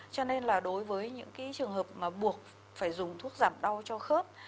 cho nên là đối với những cái trường hợp mà buộc phải dùng thuốc giảm đau cho khớp